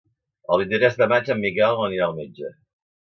El vint-i-tres de maig en Miquel anirà al metge.